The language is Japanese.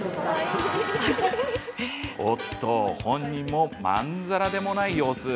おっと本人もまんざらでもない様子。